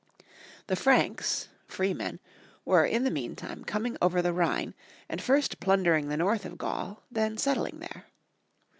The Franks (free men) were, in the meantime, coming over the Rhine, and first plundering the north of Gaul, then settling there.